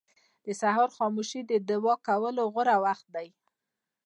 • د سهار خاموشي د دعا کولو غوره وخت دی.